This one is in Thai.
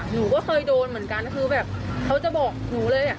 หนูก็เคยโดนเหมือนกันคือแบบเขาจะบอกหนูเลย